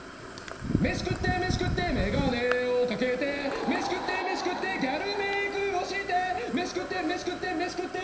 「飯食って飯食って眼鏡を掛けて」「飯食って飯食ってギャルメークをして」「飯食って飯食って飯食ってる」